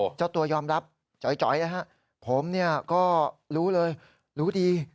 โอ้เจ้าตัวยอำรับจอยนะฮะผมเนี่ยก็รู้เลยรู้ดี